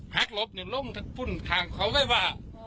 หักลบเนี่ยลงทั้งพื้นทางเขาไม่ว่า